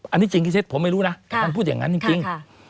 อันนี้จริงที่เซ็ตผมไม่รู้นะมันพูดอย่างนั้นจริง